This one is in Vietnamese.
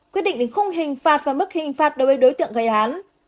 quyết định khung hình phạt và mức hình phạt đối với đối tượng gây án